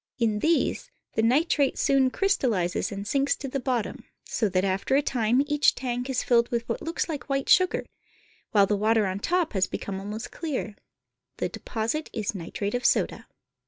In these the nitrate soon crystallizes and sinks to the bottom, so that after a time each tank is filled with what looks like white sugar, while the water on top has become almost clear. The deposit is nitrate of soda.